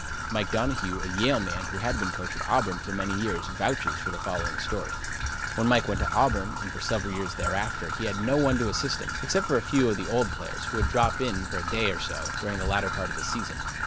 Mike Donohue, a Yale man who had been coach at Auburn for many years, vouches for the following story: When Mike went to Auburn and for several years thereafter he had no one to assist him, except a few of the old players, who would drop in for a day or so during the latter part of the season.